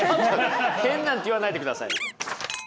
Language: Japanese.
「変なん」って言わないでください。